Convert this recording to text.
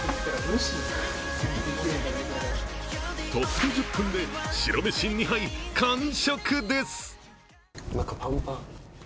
たった１０分で白飯２杯完食です。